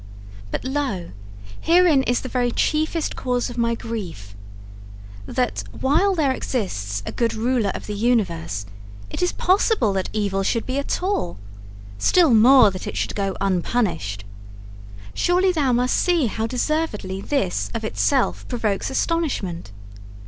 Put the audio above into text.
But, lo! herein is the very chiefest cause of my grief that, while there exists a good ruler of the universe, it is possible that evil should be at all, still more that it should go unpunished. Surely thou must see how deservedly this of itself provokes astonishment.